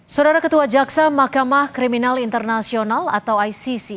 saudara ketua jaksa mahkamah kriminal internasional atau icc